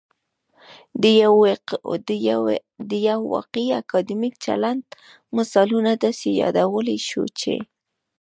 د یو واقعي اکادمیک چلند مثالونه داسې يادولای شو چې